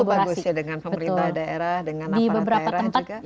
oh jadi cukup bagus ya dengan pemerintah daerah dengan aparat daerah juga